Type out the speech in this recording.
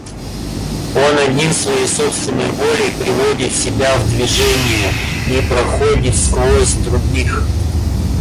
Он один своей собственной волей приводит себя в движение и проходит сквозь других.